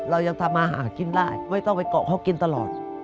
เรายังทำมาหากินได้ไม่ต้องไปเกาะเขากินตลอด